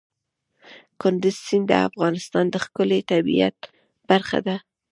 کندز سیند د افغانستان د ښکلي طبیعت برخه ده.